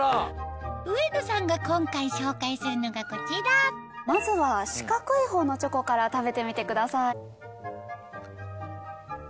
上野さんが今回紹介するのがこちらまずは四角いほうのチョコから食べてみてください。